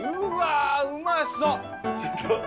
うまそう！